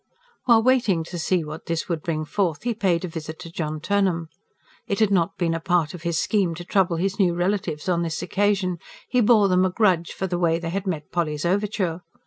While waiting to see what this would bring forth, he paid a visit to John Turnham. It had not been part of his scheme to trouble his new relatives on this occasion; he bore them a grudge for the way they had met Polly's overture.